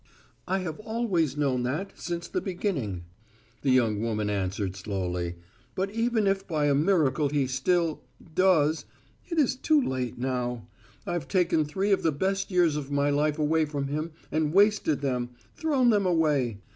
"I have always known that, since the beginning," the young woman answered slowly, "but even if by a miracle he still does, it is too late now. I've taken three of the best years of my life away from him and wasted them, thrown them away.